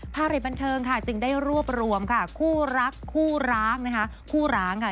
ภารกิจบันเทิงค่ะจึงได้รวบรวมค่ะคู่รักคู่ร้างนะฮะ